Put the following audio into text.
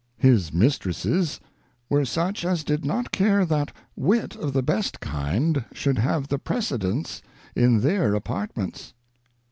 ' His Mistresses were such as did not care that Wit of the best kind should have the Precedence in their Apartments.'